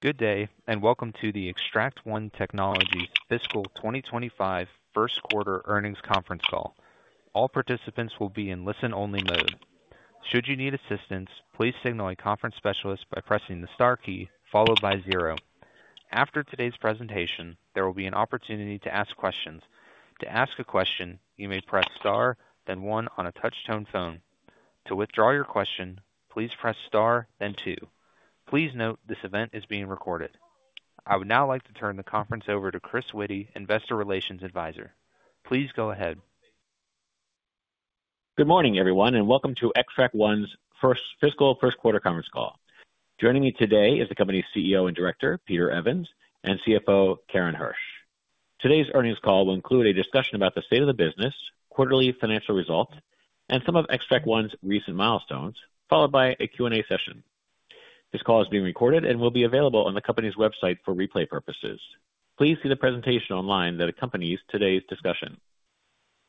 Good day, and welcome to the Xtract One Technologies Fiscal 2025 First Quarter Earnings Conference Call. All participants will be in listen-only mode. Should you need assistance, please signal a conference specialist by pressing the star key followed by zero. After today's presentation, there will be an opportunity to ask questions. To ask a question, you may press star, then one on a touch-tone phone. To withdraw your question, please press star, then two. Please note this event is being recorded. I would now like to turn the conference over to Chris Witty, Investor Relations Advisor. Please go ahead. Good morning, everyone, and welcome to Xtract One's Fiscal First Quarter Conference Call. Joining me today is the company's CEO and director, Peter Evans, and CFO, Karen Hersh. Today's earnings call will include a discussion about the state of the business, quarterly financial results, and some of Xtract One's recent milestones, followed by a Q&A session. This call is being recorded and will be available on the company's website for replay purposes. Please see the presentation online that accompanies today's discussion.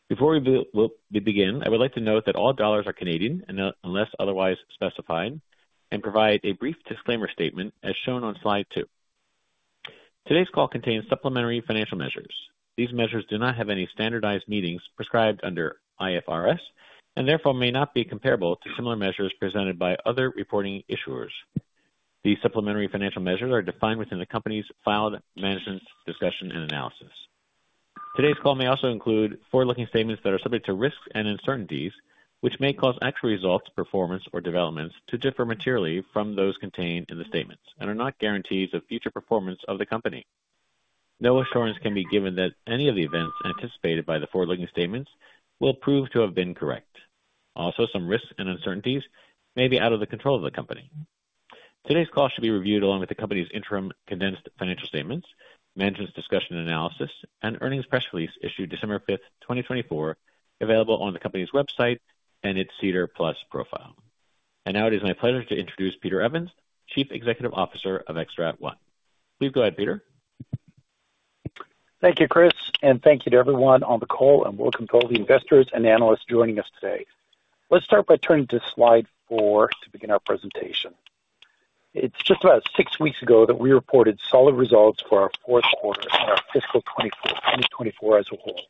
Before we begin, I would like to note that all dollars are Canadian unless otherwise specified, and provide a brief disclaimer statement as shown on slide two. Today's call contains supplementary financial measures. These measures do not have any standardized meaning prescribed under IFRS, and therefore may not be comparable to similar measures presented by other reporting issuers. These supplementary financial measures are defined within the company's filed Management's Discussion and Analysis. Today's call may also include forward-looking statements that are subject to risks and uncertainties, which may cause actual results, performance, or developments to differ materially from those contained in the statements and are not guarantees of future performance of the company. No assurance can be given that any of the events anticipated by the forward-looking statements will prove to have been correct. Also, some risks and uncertainties may be out of the control of the company. Today's call should be reviewed along with the company's Interim Condensed Financial Statements, Management's Discussion and Analysis, and earnings press release issued December 5th, 2024, available on the company's website and its SEDAR+ profile. And now it is my pleasure to introduce Peter Evans, Chief Executive Officer of Xtract One. Please go ahead, Peter. Thank you, Chris, and thank you to everyone on the call, and welcome to all the investors and analysts joining us today. Let's start by turning to slide four to begin our presentation. It's just about six weeks ago that we reported solid results for our fourth quarter and our fiscal 2024 as a whole.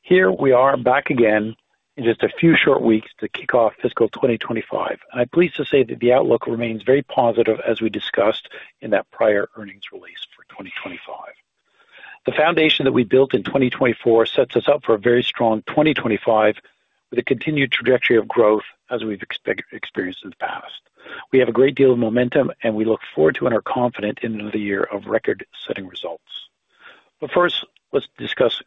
Here we are back again in just a few short weeks to kick off fiscal 2025. I'm pleased to say that the outlook remains very positive as we discussed in that prior earnings release for 2025. The foundation that we built in 2024 sets us up for a very strong 2025 with a continued trajectory of growth as we've experienced in the past. We have a great deal of momentum, and we look forward to and are confident in another year of record-setting results. But first, let's discuss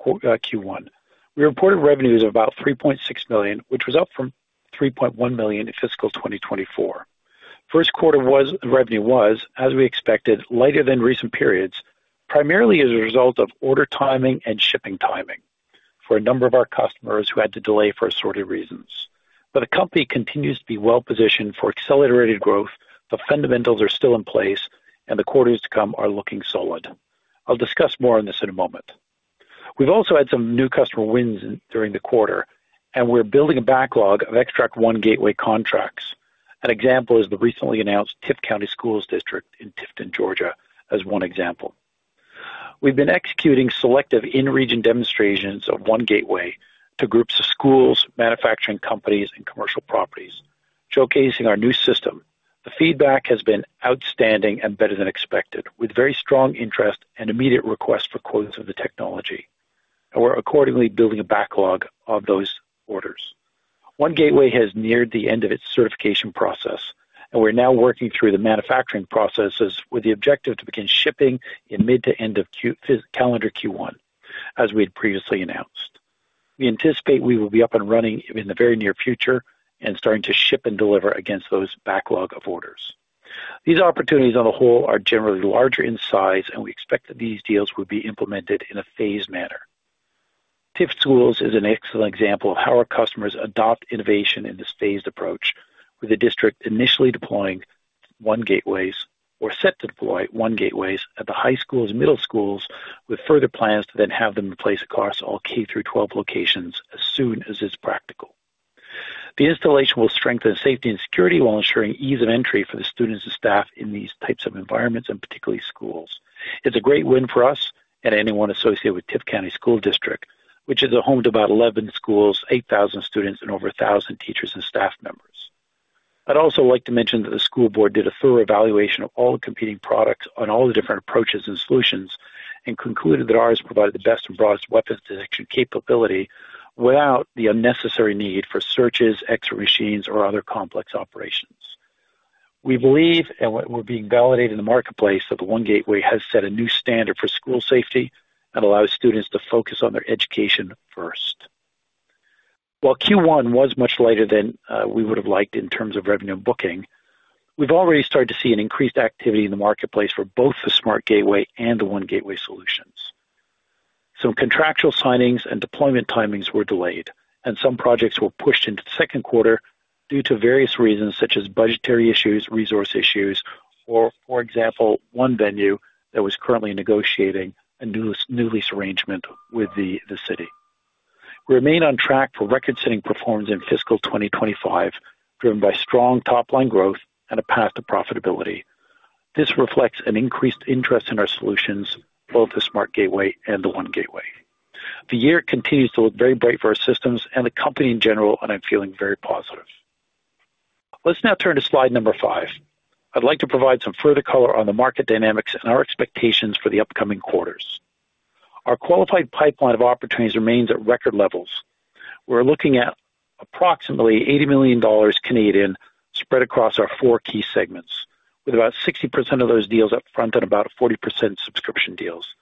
Q1. We reported revenues of 3.6 million, which was up from 3.1 million in fiscal 2024. First quarter revenue was, as we expected, lighter than recent periods, primarily as a result of order timing and shipping timing for a number of our customers who had to delay for assorted reasons. But the company continues to be well-positioned for accelerated growth. The fundamentals are still in place, and the quarters to come are looking solid. I'll discuss more on this in a moment. We've also had some new customer wins during the quarter, and we're building a backlog of Xtract One Gateway contracts. An example is the recently announced Tift County School District in Tifton, Georgia, as one example. We've been executing selective in-region demonstrations of One Gateway to groups of schools, manufacturing companies, and commercial properties, showcasing our new system. The feedback has been outstanding and better than expected, with very strong interest and immediate requests for quotes of the technology. We're accordingly building a backlog of those orders. One Gateway has neared the end of its certification process, and we're now working through the manufacturing processes with the objective to begin shipping in mid to end of calendar Q1, as we had previously announced. We anticipate we will be up and running in the very near future and starting to ship and deliver against those backlog of orders. These opportunities on the whole are generally larger in size, and we expect that these deals will be implemented in a phased manner. Tift Schools is an excellent example of how our customers adopt innovation in this phased approach, with the district initially deploying One Gateways or set to deploy One Gateways at the high schools and middle schools, with further plans to then have them in place across all K through 12 locations as soon as it's practical. The installation will strengthen safety and security while ensuring ease of entry for the students and staff in these types of environments, and particularly schools. It's a great win for us and anyone associated with Tift County School District, which is the home to about 11 schools, 8,000 students, and over 1,000 teachers and staff members. I'd also like to mention that the school board did a thorough evaluation of all competing products on all the different approaches and solutions and concluded that ours provided the best and broadest weapons detection capability without the unnecessary need for searches, X-ray machines, or other complex operations. We believe and we're being validated in the marketplace that the One Gateway has set a new standard for school safety that allows students to focus on their education first. While Q1 was much lighter than we would have liked in terms of revenue and booking, we've already started to see an increased activity in the marketplace for both the SmartGateway and the One Gateway solutions. Some contractual signings and deployment timings were delayed, and some projects were pushed into the second quarter due to various reasons such as budgetary issues, resource issues, or, for example, one venue that was currently negotiating a new lease arrangement with the city. We remain on track for record-setting performance in fiscal 2025, driven by strong top-line growth and a path to profitability. This reflects an increased interest in our solutions, both the SmartGateway and the One Gateway. The year continues to look very bright for our systems and the company in general, and I'm feeling very positive. Let's now turn to slide number five. I'd like to provide some further color on the market dynamics and our expectations for the upcoming quarters. Our qualified pipeline of opportunities remains at record levels. We're looking at approximately 80 million Canadian dollars spread across our four key segments, with about 60% of those deals upfront and about 40% subscription deals.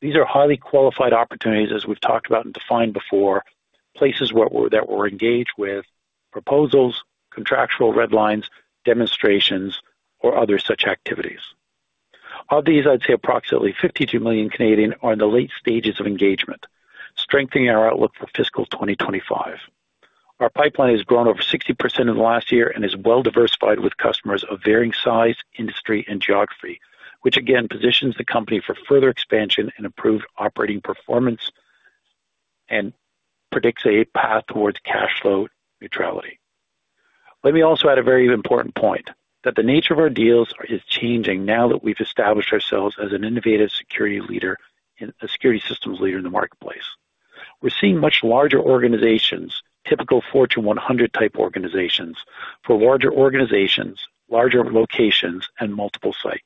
These are highly qualified opportunities, as we've talked about and defined before, places that we're engaged with, proposals, contractual red lines, demonstrations, or other such activities. Of these, I'd say approximately 52 million are in the late stages of engagement, strengthening our outlook for fiscal 2025. Our pipeline has grown over 60% in the last year and is well-diversified with customers of varying size, industry, and geography, which again positions the company for further expansion and improved operating performance and predicts a path towards cash flow neutrality. Let me also add a very important point that the nature of our deals is changing now that we've established ourselves as an innovative security leader and a security systems leader in the marketplace. We're seeing much larger organizations, typical Fortune 100 type organizations for larger organizations, larger locations, and multiple sites.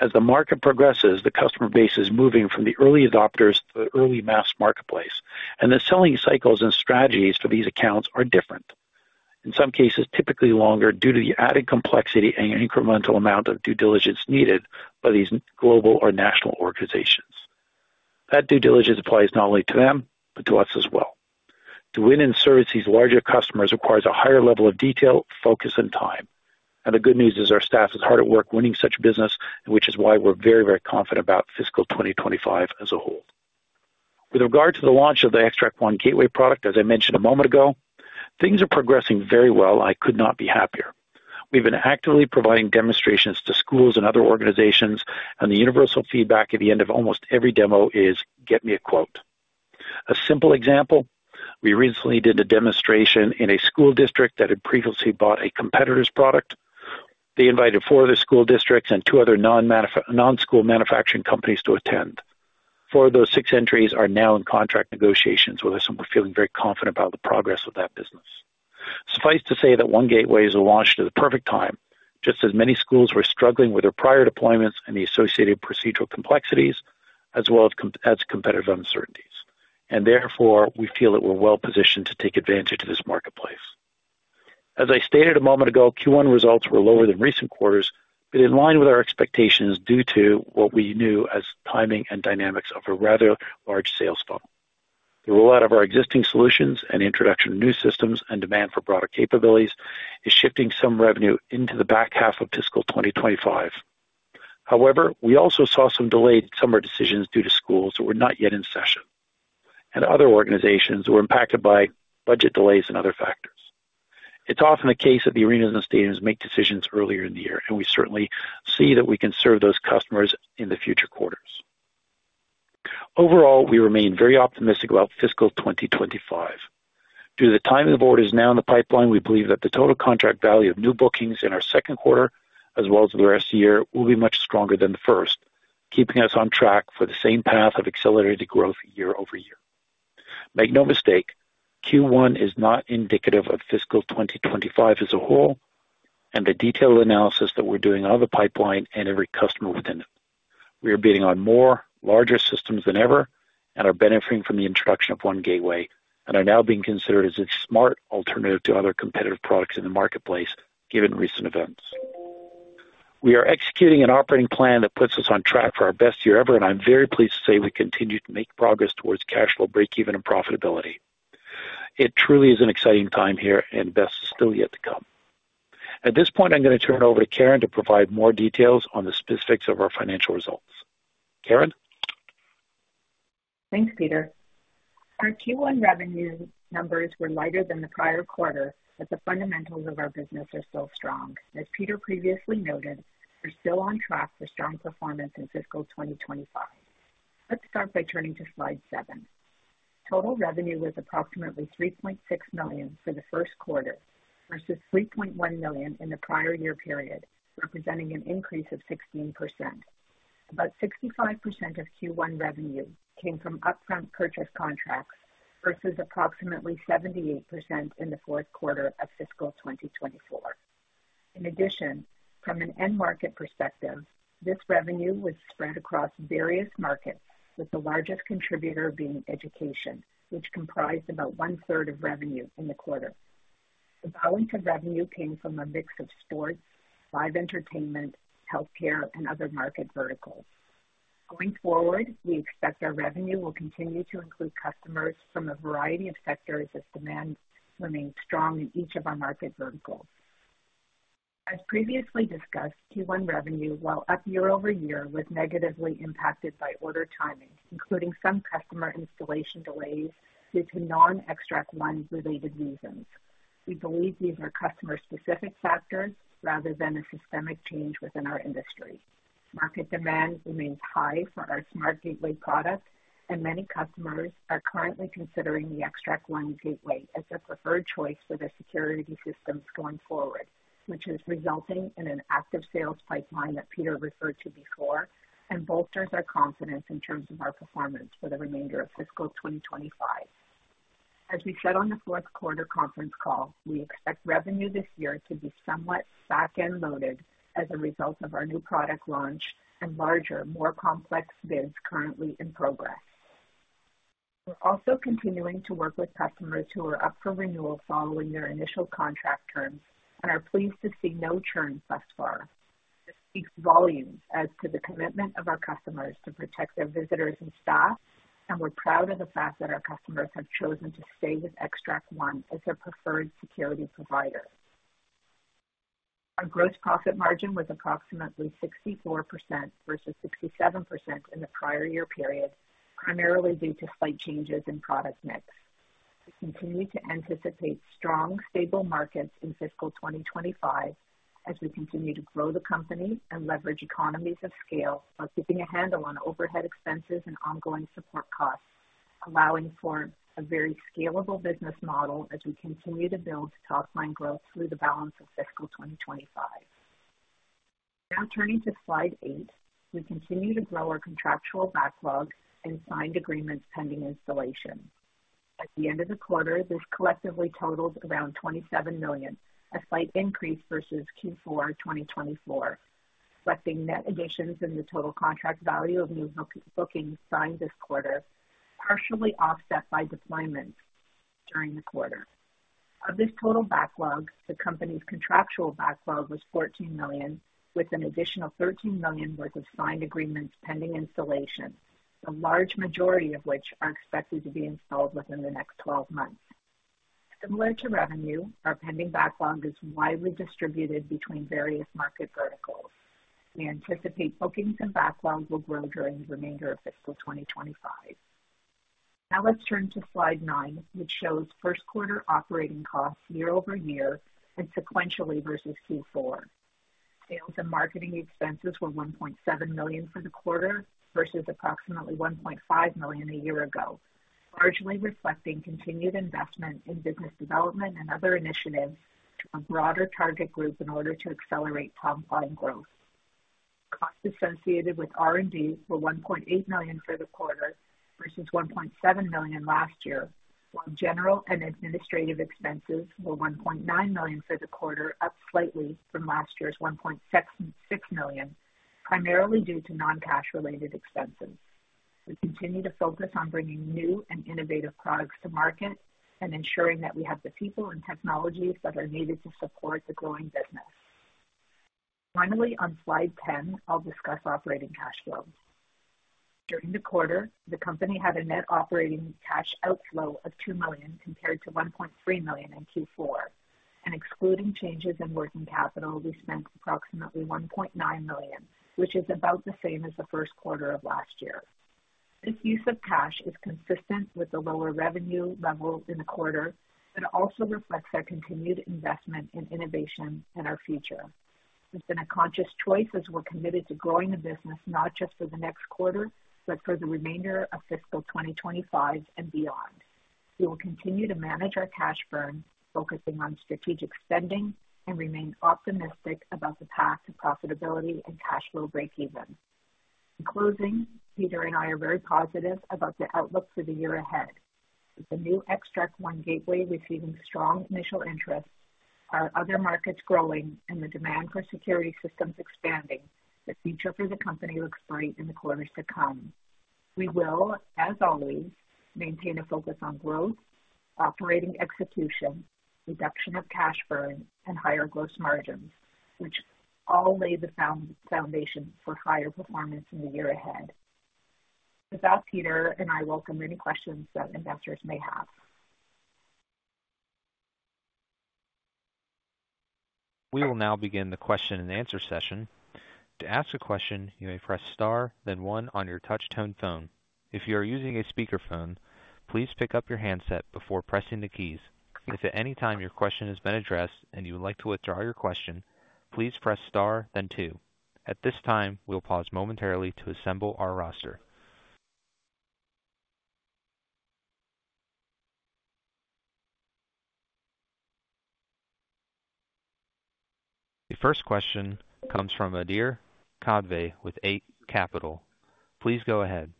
As the market progresses, the customer base is moving from the early adopters to the early mass marketplace, and the selling cycles and strategies for these accounts are different. In some cases, typically longer due to the added complexity and incremental amount of due diligence needed by these global or national organizations. That due diligence applies not only to them, but to us as well. To win and service these larger customers requires a higher level of detail, focus, and time. And the good news is our staff is hard at work winning such business, which is why we're very, very confident about fiscal 2025 as a whole. With regard to the launch of the Xtract One Gateway product, as I mentioned a moment ago, things are progressing very well. I could not be happier. We've been actively providing demonstrations to schools and other organizations, and the universal feedback at the end of almost every demo is, "Get me a quote." A simple example, we recently did a demonstration in a school district that had previously bought a competitor's product. They invited four other school districts and two other non-school manufacturing companies to attend. Four of those six entities are now in contract negotiations, so we're feeling very confident about the progress of that business. Suffice to say that One Gateway is launched at a perfect time, just as many schools were struggling with their prior deployments and the associated procedural complexities, as well as competitive uncertainties. And therefore, we feel that we're well-positioned to take advantage of this marketplace. As I stated a moment ago, Q1 results were lower than recent quarters, but in line with our expectations due to what we knew as timing and dynamics of a rather large sales funnel. The rollout of our existing solutions and introduction of new systems and demand for broader capabilities is shifting some revenue into the back half of fiscal 2025. However, we also saw some delayed summer decisions due to schools that were not yet in session and other organizations who were impacted by budget delays and other factors. It's often the case that the arenas and stadiums make decisions earlier in the year, and we certainly see that we can serve those customers in the future quarters. Overall, we remain very optimistic about fiscal 2025. Due to the time the board is now in the pipeline, we believe that the total contract value of new bookings in our second quarter, as well as the rest of the year, will be much stronger than the first, keeping us on track for the same path of accelerated growth year over year. Make no mistake, Q1 is not indicative of fiscal 2025 as a whole, and the detailed analysis that we're doing on the pipeline and every customer within it. We are bidding on more, larger systems than ever, and are benefiting from the introduction of One Gateway, and are now being considered as a smart alternative to other competitive products in the marketplace given recent events. We are executing an operating plan that puts us on track for our best year ever, and I'm very pleased to say we continue to make progress towards cash flow breakeven and profitability. It truly is an exciting time here, and best is still yet to come. At this point, I'm going to turn it over to Karen to provide more details on the specifics of our financial results. Karen. Thanks, Peter. Our Q1 revenue numbers were lighter than the prior quarter, but the fundamentals of our business are still strong. As Peter previously noted, we're still on track for strong performance in fiscal 2025. Let's start by turning to slide seven. Total revenue was approximately 3.6 million for the first quarter versus 3.1 million in the prior year period, representing an increase of 16%. About 65% of Q1 revenue came from upfront purchase contracts versus approximately 78% in the fourth quarter of fiscal 2024. In addition, from an end market perspective, this revenue was spread across various markets, with the largest contributor being education, which comprised about one-third of revenue in the quarter. The balance of revenue came from a mix of sports, live entertainment, healthcare, and other market verticals. Going forward, we expect our revenue will continue to include customers from a variety of sectors as demand remains strong in each of our market verticals. As previously discussed, Q1 revenue, while up year over year, was negatively impacted by order timing, including some customer installation delays due to non-Xtract One related reasons. We believe these are customer-specific factors rather than a systemic change within our industry. Market demand remains high for our SmartGateway product, and many customers are currently considering the Xtract One Gateway as a preferred choice for their security systems going forward, which is resulting in an active sales pipeline that Peter referred to before and bolsters our confidence in terms of our performance for the remainder of fiscal 2025. As we said on the fourth quarter conference call, we expect revenue this year to be somewhat back-loaded as a result of our new product launch and larger, more complex bids currently in progress. We're also continuing to work with customers who are up for renewal following their initial contract terms and are pleased to see no churn thus far. This speaks volumes as to the commitment of our customers to protect their visitors and staff, and we're proud of the fact that our customers have chosen to stay with Xtract One as their preferred security provider. Our gross profit margin was approximately 64% versus 67% in the prior year period, primarily due to slight changes in product mix. We continue to anticipate strong, stable markets in fiscal 2025 as we continue to grow the company and leverage economies of scale while keeping a handle on overhead expenses and ongoing support costs, allowing for a very scalable business model as we continue to build top-line growth through the balance of fiscal 2025. Now turning to slide eight, we continue to grow our contractual backlog and signed agreements pending installation. At the end of the quarter, this collectively totaled around 27 million, a slight increase versus Q4 2024, reflecting net additions in the total contract value of new bookings signed this quarter, partially offset by deployments during the quarter. Of this total backlog, the company's contractual backlog was 14 million, with an additional 13 million worth of signed agreements pending installation, the large majority of which are expected to be installed within the next 12 months. Similar to revenue, our pending backlog is widely distributed between various market verticals. We anticipate bookings and backlogs will grow during the remainder of fiscal 2025. Now let's turn to slide nine, which shows first quarter operating costs year over year and sequentially versus Q4. Sales and marketing expenses were 1.7 million for the quarter versus approximately 1.5 million a year ago, largely reflecting continued investment in business development and other initiatives to a broader target group in order to accelerate top-line growth. Costs associated with R&D were CAD 1.8 million for the quarter versus CAD 1.7 million last year, while general and administrative expenses were CAD 1.9 million for the quarter, up slightly from last year's CAD 1.6 million, primarily due to non-cash-related expenses. We continue to focus on bringing new and innovative products to market and ensuring that we have the people and technologies that are needed to support the growing business. Finally, on slide 10, I'll discuss operating cash flow. During the quarter, the company had a net operating cash outflow of 2 million compared to 1.3 million in Q4, and excluding changes in working capital, we spent approximately 1.9 million, which is about the same as the first quarter of last year. This use of cash is consistent with the lower revenue level in the quarter, but also reflects our continued investment in innovation and our future. It's been a conscious choice as we're committed to growing the business not just for the next quarter, but for the remainder of fiscal 2025 and beyond. We will continue to manage our cash burn, focusing on strategic spending, and remain optimistic about the path to profitability and cash flow breakeven. In closing, Peter and I are very positive about the outlook for the year ahead. With the new Xtract One Gateway receiving strong initial interest, our other markets growing, and the demand for security systems expanding, the future for the company looks bright in the quarters to come. We will, as always, maintain a focus on growth, operating execution, reduction of cash burn, and higher gross margins, which all lay the foundation for higher performance in the year ahead. With that, Peter and I welcome any questions that investors may have. We will now begin the question and answer session. To ask a question, you may press star, then one on your touch-tone phone. If you are using a speakerphone, please pick up your handset before pressing the keys. If at any time your question has been addressed and you would like to withdraw your question, please press star, then two. At this time, we'll pause momentarily to assemble our roster. The first question comes from Adhir Kadve with Eight Capital. Please go ahead.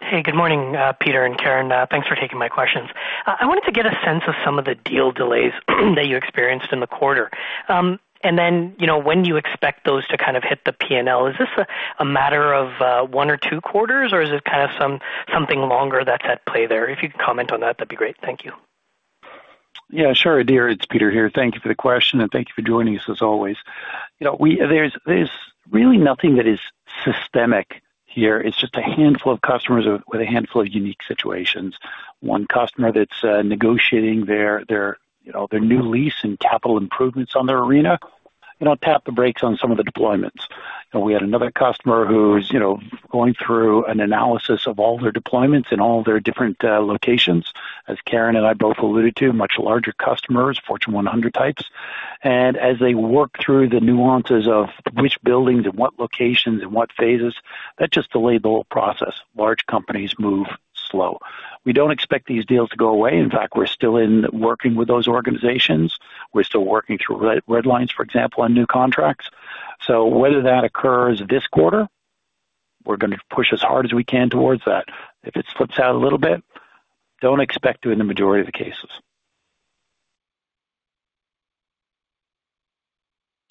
Hey, good morning, Peter and Karen. Thanks for taking my questions. I wanted to get a sense of some of the deal delays that you experienced in the quarter, and then when do you expect those to kind of hit the P&L? Is this a matter of one or two quarters, or is it kind of something longer that's at play there? If you could comment on that, that'd be great. Thank you. Yeah, sure. Adhir, it's Peter here. Thank you for the question, and thank you for joining us as always. There's really nothing that is systemic here. It's just a handful of customers with a handful of unique situations. One customer that's negotiating their new lease and capital improvements on their arena tapped the brakes on some of the deployments. We had another customer who's going through an analysis of all their deployments in all their different locations, as Karen and I both alluded to, much larger customers, Fortune 100 types. And as they work through the nuances of which buildings and what locations and what phases, that's just the label process. Large companies move slow. We don't expect these deals to go away. In fact, we're still working with those organizations. We're still working through red lines, for example, on new contracts. So whether that occurs this quarter, we're going to push as hard as we can towards that. If it slips out a little bit, don't expect to in the majority of the cases.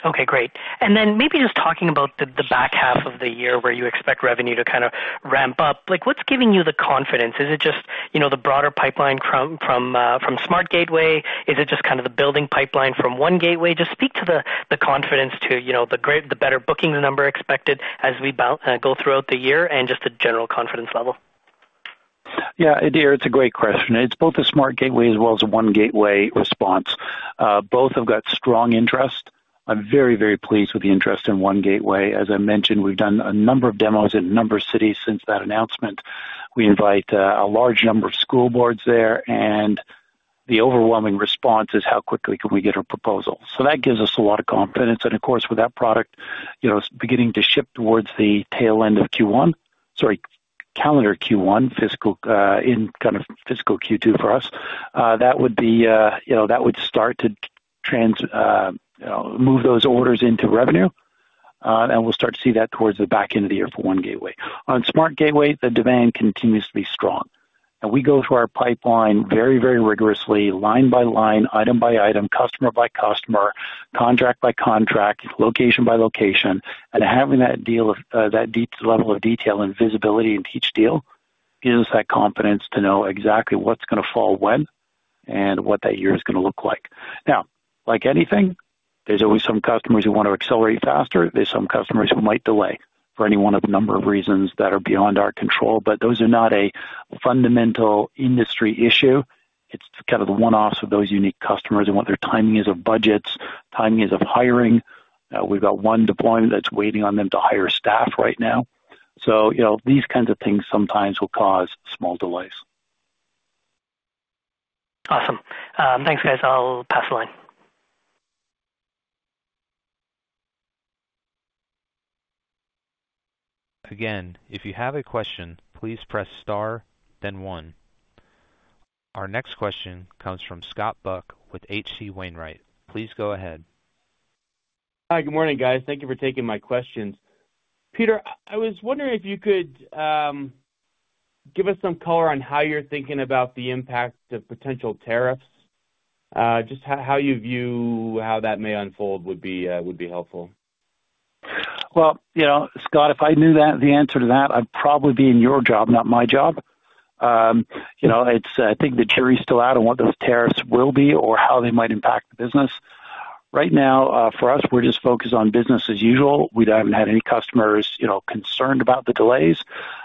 Okay, great. And then maybe just talking about the back half of the year where you expect revenue to kind of ramp up, what's giving you the confidence? Is it just the broader pipeline from SmartGateway? Is it just kind of the building pipeline from One Gateway? Just speak to the confidence to the better bookings number expected as we go throughout the year and just a general confidence level. Yeah, Adhir, it's a great question. It's both a SmartGateway as well as a One Gateway response. Both have got strong interest. I'm very, very pleased with the interest in One Gateway. As I mentioned, we've done a number of demos in a number of cities since that announcement. We invite a large number of school boards there, and the overwhelming response is, "How quickly can we get a proposal?" So that gives us a lot of confidence. And of course, with that product beginning to ship towards the tail end of Q1, sorry, calendar Q1, kind of fiscal Q2 for us, that would start to move those orders into revenue, and we'll start to see that towards the back end of the year for One Gateway. On SmartGateway, the demand continues to be strong. And we go through our pipeline very, very rigorously, line by line, item by item, customer by customer, contract by contract, location by location. And having that level of detail and visibility into each deal gives us that confidence to know exactly what's going to fall when and what that year is going to look like. Now, like anything, there's always some customers who want to accelerate faster. There's some customers who might delay for any one of a number of reasons that are beyond our control, but those are not a fundamental industry issue. It's kind of the one-offs of those unique customers and what their timing is of budgets, timing is of hiring. We've got one deployment that's waiting on them to hire staff right now. So these kinds of things sometimes will cause small delays. Awesome. Thanks, guys. I'll pass the line. Again, if you have a question, please press star, then one. Our next question comes from Scott Buck with H.C. Wainwright. Please go ahead. Hi, good morning, guys. Thank you for taking my questions. Peter, I was wondering if you could give us some color on how you're thinking about the impact of potential tariffs. Just how you view how that may unfold would be helpful. Scott, if I knew the answer to that, I'd probably be in your job, not my job. I think the jury's still out on what those tariffs will be or how they might impact the business. Right now, for us, we're just focused on business as usual. We haven't had any customers concerned about the delays.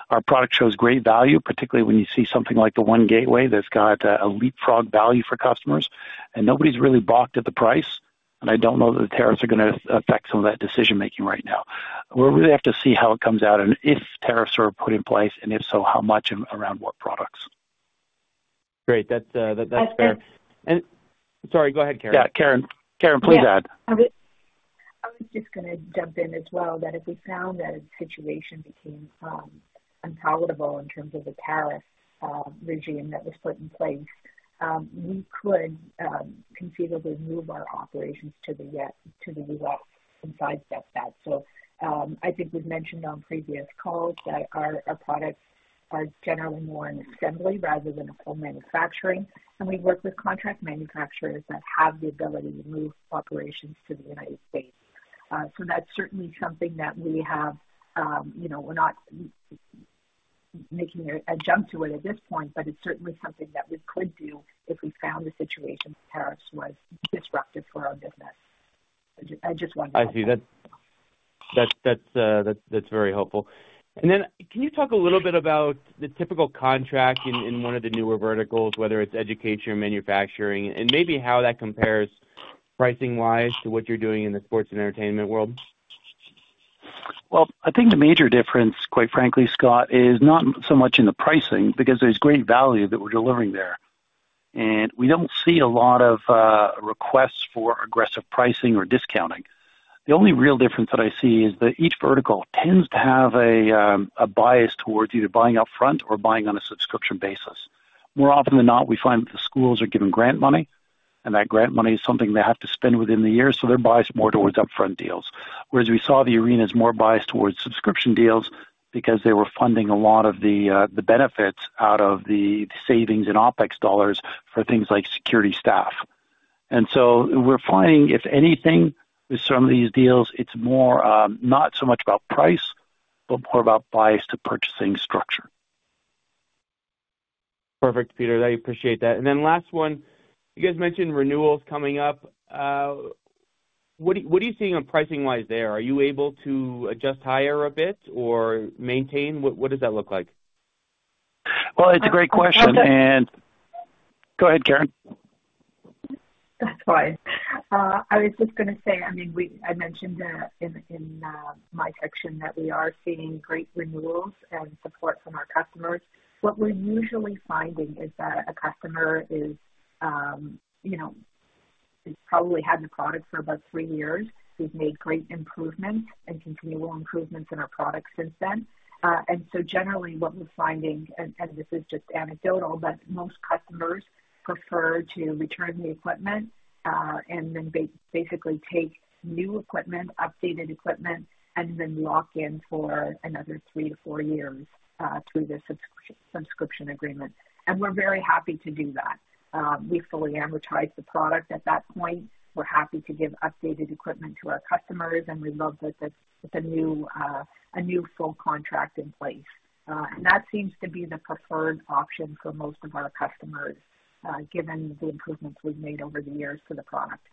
Our product shows great value, particularly when you see something like the One Gateway that's got a leapfrog value for customers, and nobody's really balked at the price. I don't know that the tariffs are going to affect some of that decision-making right now. We'll really have to see how it comes out and if tariffs are put in place, and if so, how much and around what products. Great. That's fair. Sorry, go ahead, Karen. Yeah, Karen. Karen, please add. I was just going to jump in as well that if we found that a situation became unpalatable in terms of the tariff regime that was put in place, we could conceivably move our operations to the U.S. and sidestep that. So I think we've mentioned on previous calls that our products are generally more in assembly rather than full manufacturing. And we work with contract manufacturers that have the ability to move operations to the United States. So that's certainly something that we have—we're not making a jump to it at this point, but it's certainly something that we could do if we found the situation with tariffs was disruptive for our business. I just wanted to. I see. That's very helpful. And then can you talk a little bit about the typical contract in one of the newer verticals, whether it's education or manufacturing, and maybe how that compares pricing-wise to what you're doing in the sports and entertainment world? I think the major difference, quite frankly, Scott, is not so much in the pricing because there's great value that we're delivering there. We don't see a lot of requests for aggressive pricing or discounting. The only real difference that I see is that each vertical tends to have a bias towards either buying upfront or buying on a subscription basis. More often than not, we find that the schools are given grant money, and that grant money is something they have to spend within the year, so they're biased more towards upfront deals. Whereas we saw the arenas more biased towards subscription deals because they were funding a lot of the benefits out of the savings in OpEx dollars for things like security staff. And so we're finding, if anything, with some of these deals, it's not so much about price, but more about bias to purchasing structure. Perfect, Peter. I appreciate that. And then last one, you guys mentioned renewals coming up. What are you seeing pricing-wise there? Are you able to adjust higher a bit or maintain? What does that look like? Well, it's a great question. And go ahead, Karen. That's fine. I was just going to say, I mean, I mentioned in my section that we are seeing great renewals and support from our customers. What we're usually finding is that a customer has probably had the product for about three years. We've made great improvements and continual improvements in our product since then, and so generally, what we're finding, and this is just anecdotal, but most customers prefer to return the equipment and then basically take new equipment, updated equipment, and then lock in for another three to four years through the subscription agreement, and we're very happy to do that. We fully amortize the product at that point. We're happy to give updated equipment to our customers, and we love that there's a new full contract in place. That seems to be the preferred option for most of our customers, given the improvements we've made over the years to the product.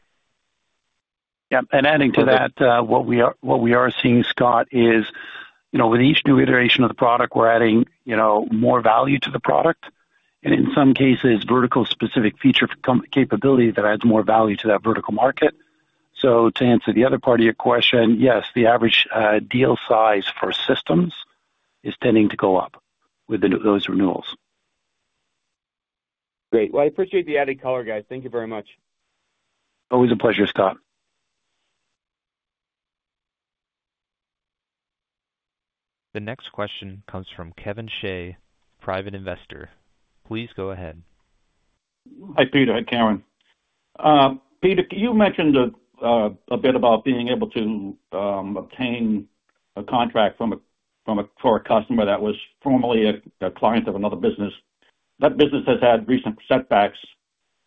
Yeah. And adding to that, what we are seeing, Scott, is with each new iteration of the product, we're adding more value to the product. And in some cases, vertical-specific feature capability that adds more value to that vertical market. So to answer the other part of your question, yes, the average deal size for systems is tending to go up with those renewals. Great. Well, I appreciate the added color, guys. Thank you very much. Always a pleasure, Scott. The next question comes from Kevin Shea, private investor. Please go ahead. Hi, Peter. Karen. Peter, you mentioned a bit about being able to obtain a contract for a customer that was formerly a client of another business. That business has had recent setbacks,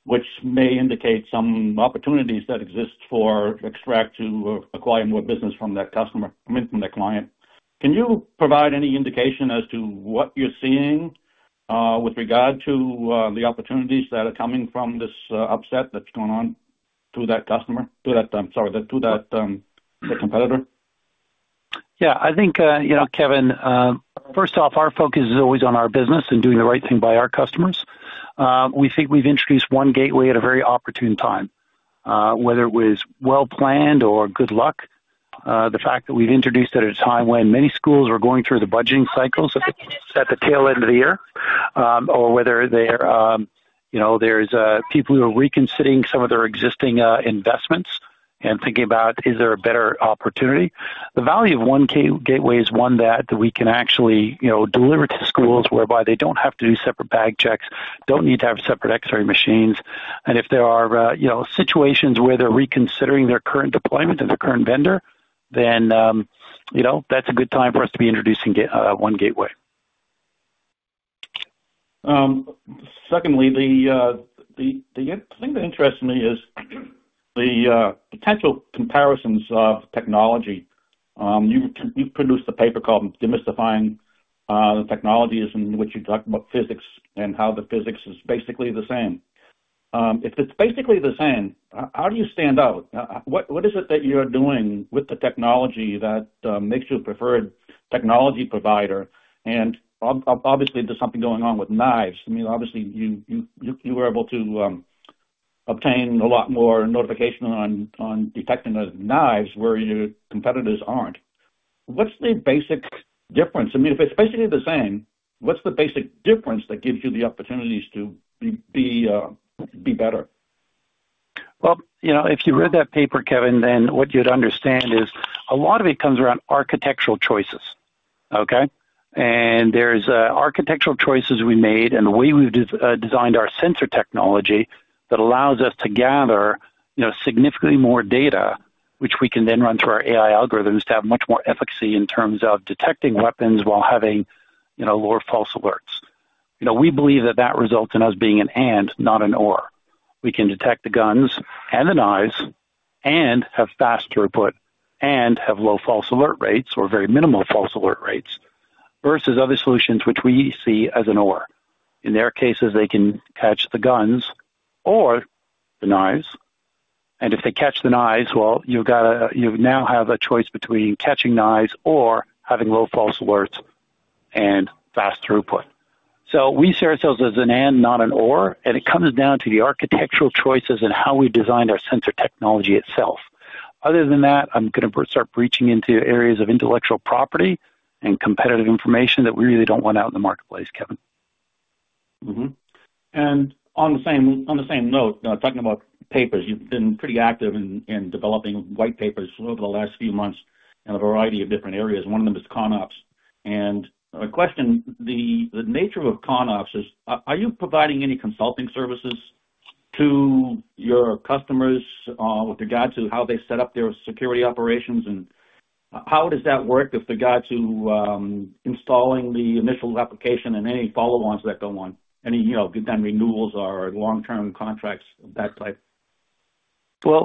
which may indicate some opportunities that exist for Xtract to acquire more business from that customer, I mean, from that client. Can you provide any indication as to what you're seeing with regard to the opportunities that are coming from this upset that's going on to that customer? I'm sorry, to that competitor? Yeah. I think, Kevin, first off, our focus is always on our business and doing the right thing by our customers. We think we've introduced One Gateway at a very opportune time, whether it was well-planned or good luck. The fact that we've introduced it at a time when many schools are going through the budgeting cycles at the tail end of the year, or whether there's people who are reconsidering some of their existing investments and thinking about, "Is there a better opportunity?" The value of One Gateway is one that we can actually deliver to schools whereby they don't have to do separate bag checks, don't need to have separate X-ray machines, and if there are situations where they're reconsidering their current deployment of their current vendor, then that's a good time for us to be introducing One Gateway. Secondly, the thing that interests me is the potential comparisons of technology. You've produced a paper called Demystifying Technologies, in which you talk about physics and how the physics is basically the same. If it's basically the same, how do you stand out? What is it that you're doing with the technology that makes you a preferred technology provider? And obviously, there's something going on with knives. I mean, obviously, you were able to obtain a lot more notification on detecting the knives where your competitors aren't. What's the basic difference? I mean, if it's basically the same, what's the basic difference that gives you the opportunities to be better? If you read that paper, Kevin, then what you'd understand is a lot of it comes around architectural choices. Okay? There's architectural choices we made and the way we've designed our sensor technology that allows us to gather significantly more data, which we can then run through our AI algorithms to have much more efficacy in terms of detecting weapons while having lower false alerts. We believe that that results in us being an and, not an or. We can detect the guns and the knives and have fast throughput and have low false alert rates or very minimal false alert rates versus other solutions which we see as an or. In their cases, they can catch the guns or the knives. If they catch the knives, well, you now have a choice between catching knives or having low false alerts and fast throughput. So we see ourselves as an and, not an or, and it comes down to the architectural choices and how we designed our sensor technology itself. Other than that, I'm going to start breaching into areas of intellectual property and competitive information that we really don't want out in the marketplace, Kevin. And on the same note, talking about papers, you've been pretty active in developing white papers over the last few months in a variety of different areas. One of them is CONOPS. And the question, the nature of CONOPS is, are you providing any consulting services to your customers with regard to how they set up their security operations? And how does that work with regard to installing the initial application and any follow-ons that go on, any given renewals or long-term contracts, that type?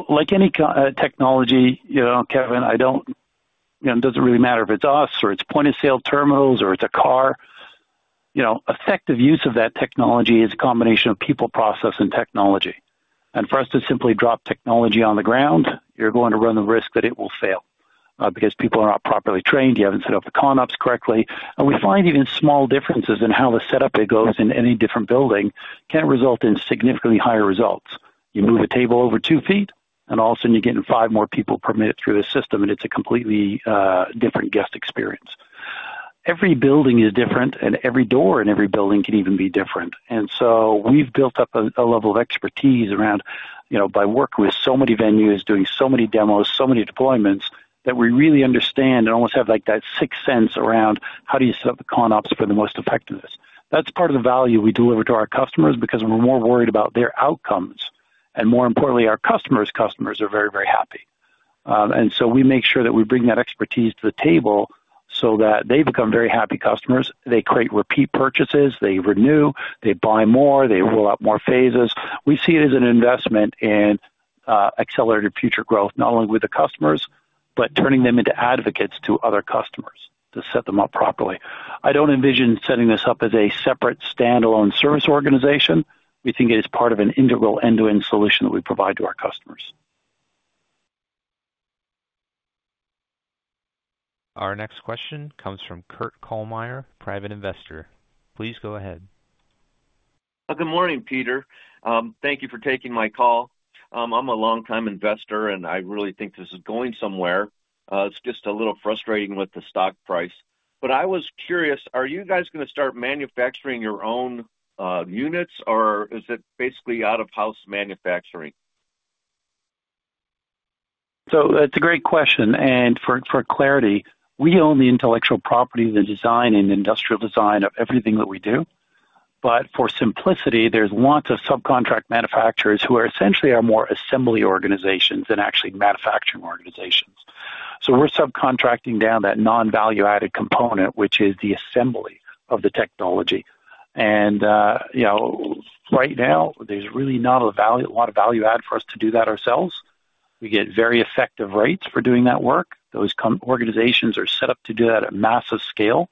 Like any technology, Kevin, it doesn't really matter if it's us or it's point-of-sale terminals or it's a car. Effective use of that technology is a combination of people, process, and technology. For us to simply drop technology on the ground, you're going to run the risk that it will fail because people are not properly trained. You haven't set up the CONOPS correctly. We find even small differences in how the setup goes in any different building can result in significantly higher results. You move a table over two feet, and all of a sudden, you're getting five more people per minute through the system, and it's a completely different guest experience. Every building is different, and every door in every building can even be different. And so we've built up a level of expertise around by working with so many venues, doing so many demos, so many deployments that we really understand and almost have that sixth sense around how do you set up the CONOPS for the most effectiveness. That's part of the value we deliver to our customers because we're more worried about their outcomes. And more importantly, our customers' customers are very, very happy. And so we make sure that we bring that expertise to the table so that they become very happy customers. They create repeat purchases. They renew. They buy more. They roll out more phases. We see it as an investment in accelerated future growth, not only with the customers, but turning them into advocates to other customers to set them up properly. I don't envision setting this up as a separate standalone service organization. We think it is part of an integral end-to-end solution that we provide to our customers. Our next question comes from Kurt Kallmeyer, private investor. Please go ahead. Good morning, Peter. Thank you for taking my call. I'm a longtime investor, and I really think this is going somewhere. It's just a little frustrating with the stock price. But I was curious, are you guys going to start manufacturing your own units, or is it basically out-of-house manufacturing? That's a great question. For clarity, we own the intellectual property, the design, and the industrial design of everything that we do. For simplicity, there's lots of subcontract manufacturers who are essentially more assembly organizations than actually manufacturing organizations. We're subcontracting down that non-value-added component, which is the assembly of the technology. Right now, there's really not a lot of value-add for us to do that ourselves. We get very effective rates for doing that work. Those organizations are set up to do that at massive scale.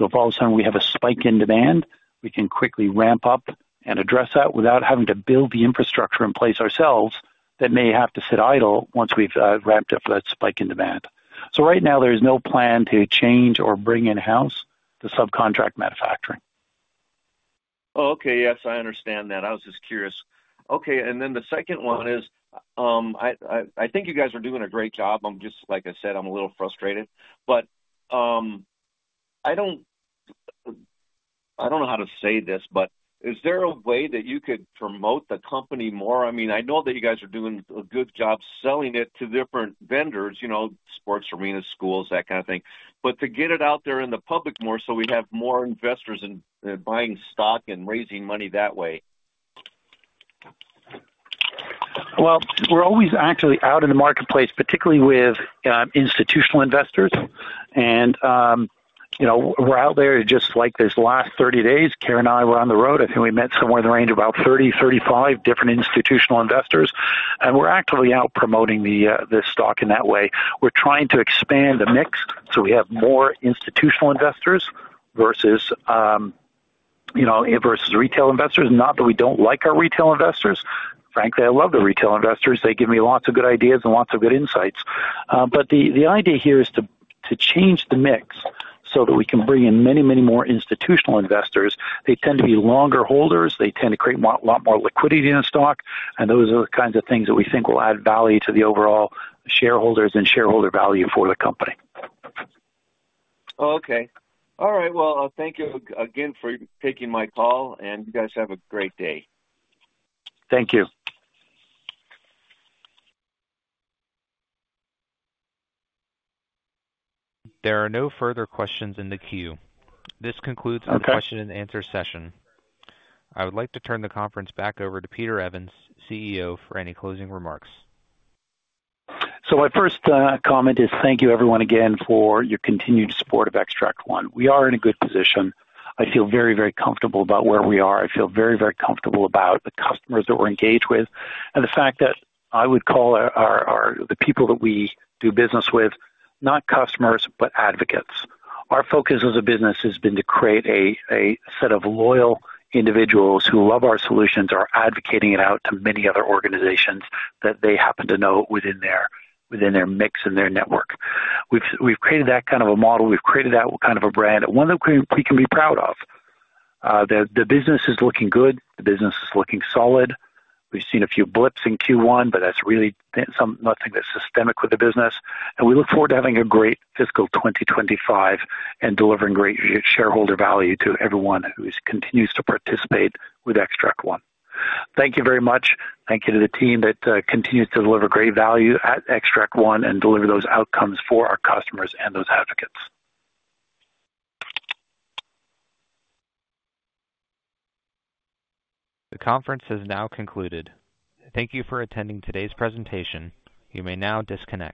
If all of a sudden we have a spike in demand, we can quickly ramp up and address that without having to build the infrastructure in place ourselves that may have to sit idle once we've ramped up that spike in demand. Right now, there is no plan to change or bring in-house the subcontract manufacturing. Oh, okay. Yes, I understand that. I was just curious. Okay. And then the second one is I think you guys are doing a great job. Like I said, I'm a little frustrated. But I don't know how to say this, but is there a way that you could promote the company more? I mean, I know that you guys are doing a good job selling it to different vendors: sports arenas, schools, that kind of thing. But to get it out there in the public more so we have more investors in buying stock and raising money that way? We're always actually out in the marketplace, particularly with institutional investors. And we're out there just like this last 30 days. Karen and I were on the road, and we met somewhere in the range of about 30-35 different institutional investors. And we're actively out promoting this stock in that way. We're trying to expand the mix so we have more institutional investors versus retail investors. Not that we don't like our retail investors. Frankly, I love the retail investors. They give me lots of good ideas and lots of good insights. But the idea here is to change the mix so that we can bring in many, many more institutional investors. They tend to be longer holders. They tend to create a lot more liquidity in the stock. Those are the kinds of things that we think will add value to the overall shareholders and shareholder value for the company. Oh, okay. All right. Well, thank you again for taking my call, and you guys have a great day. Thank you. There are no further questions in the queue. This concludes the question-and-answer session. I would like to turn the conference back over to Peter Evans, CEO, for any closing remarks. So my first comment is thank you, everyone, again, for your continued support of Xtract One. We are in a good position. I feel very, very comfortable about where we are. I feel very, very comfortable about the customers that we're engaged with and the fact that I would call the people that we do business with, not customers, but advocates. Our focus as a business has been to create a set of loyal individuals who love our solutions, are advocating it out to many other organizations that they happen to know within their mix and their network. We've created that kind of a model. We've created that kind of a brand, one that we can be proud of. The business is looking good. The business is looking solid. We've seen a few blips in Q1, but that's really nothing that's systemic with the business. We look forward to having a great fiscal 2025 and delivering great shareholder value to everyone who continues to participate with Xtract One. Thank you very much. Thank you to the team that continues to deliver great value at Xtract One and deliver those outcomes for our customers and those advocates. The conference has now concluded. Thank you for attending today's presentation. You may now disconnect.